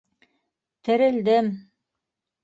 - Терелдем.